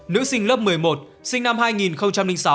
nữ sinh lớp một mươi một sinh năm hai nghìn sáu